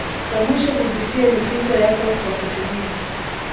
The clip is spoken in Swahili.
ya mwisho kupitia likizo yako kwa kutumia